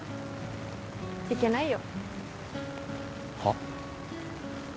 行けないよはっ？